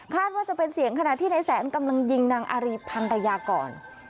คาดว่าจะเป็นเสียงขณะที่นายแสนกำลังยิงนางอารีปภรรยาก่อน